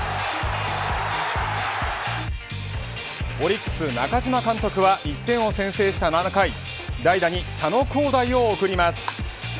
オリックス中嶋監督は１点を先制した７回佐野を送ります。